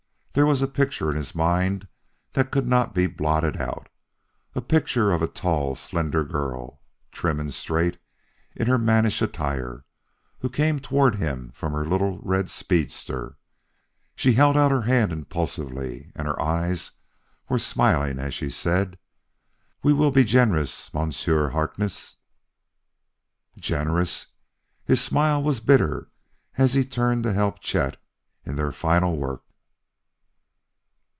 There was a picture in his mind that could not be blotted out a picture of a tall, slender girl, trim and straight in her mannish attire, who came toward him from her little red speedster. She held out her hand impulsively, and her eyes were smiling as she said; "We will be generous, Monsieur Harkness " "Generous!" His smile was bitter as he turned to help Chet in their final work.